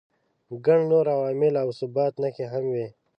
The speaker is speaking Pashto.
ګڼ نور عوامل او د ثبات نښې هم وي.